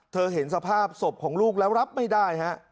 เห็นสภาพศพของลูกแล้วรับไม่ได้ฮะ